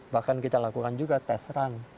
bahkan kita lakukan juga tes run